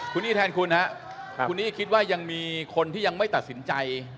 คุณนี่แทนคุณฮะคุณนี่คิดว่ายังมีคนที่ยังไม่ตัดสินใจ